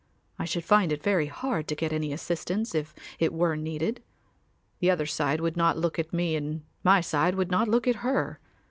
I should find it very hard to get any assistance if it were needed. The other side would not look at me and my side would not look at her.